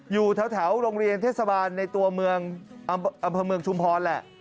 อยู่แถวโรงเรียนเทศบาลในตัวเมืองอำเภอเมืองชุมพรแหละ